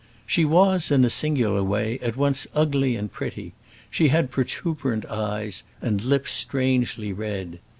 She was, in a singular way, at once ugly and pretty; she had protuberant eyes, and lips strangely red.